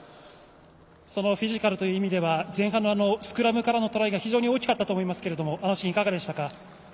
そのフィジカルという意味では前半からのスクラムからのトライが非常に大きかったと思いますがあのシーンはいかがでしたか？